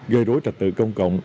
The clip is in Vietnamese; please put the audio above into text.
gây rối trật tự công cộng